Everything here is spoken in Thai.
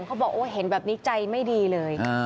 เขาบอกโอ้เห็นแบบนี้ใจไม่ดีเลย